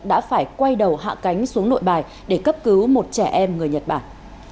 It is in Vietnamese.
đã phải quay đầu hạ cánh xuống nội bài để cấp cứu một trẻ em người nhật bản